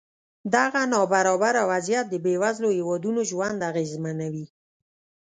دغه نابرابره وضعیت د بېوزلو هېوادونو ژوند اغېزمنوي.